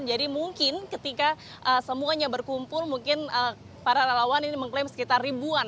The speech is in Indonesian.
mungkin ketika semuanya berkumpul mungkin para relawan ini mengklaim sekitar ribuan